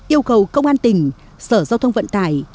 yêu cầu công an tỉnh sở giao thông vận tải